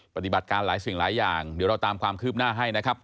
ปฏิบัติการหลายสิ่งหลายอย่างเดี๋ยวเราตามความคืบหน้าให้นะครับ